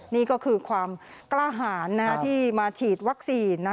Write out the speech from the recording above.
นี่ก็คือความกล้าหารที่มาฉีดวัคซีน